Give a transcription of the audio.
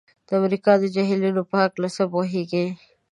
د امریکا د جهیلونو په هلکه څه پوهیږئ؟